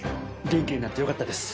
元気になってよかったです。